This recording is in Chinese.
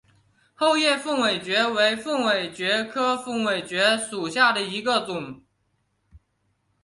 厚叶凤尾蕨为凤尾蕨科凤尾蕨属下的一个种。